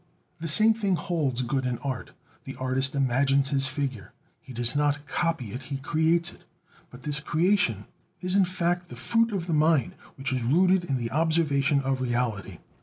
The same thing holds good in art. The artist "imagines" his figure; he does not copy it, he "creates" it. But this creation is in fact the fruit of the mind which is rooted in the observation of reality.